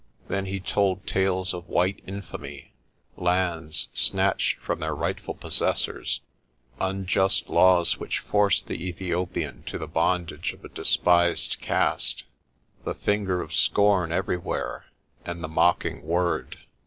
Then he told tales of white infamy, lands snatched from their rightful possessors, unjust laws which forced the Ethiopian to the bondage of a despised caste, the finger of scorn every where, and the mocking word.